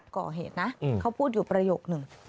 ก่อเหตุนะเขาพูดอยู่ประโยคนึง